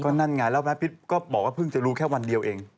นั่นไงแล้วแม่พิษก็บอกว่าเพิ่งจะรู้แค่วันเดียวเอง